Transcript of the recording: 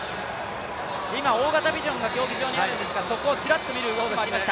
今、大型ビジョンが競技場にあるんですが、そこをチラッと見るシーンもありました。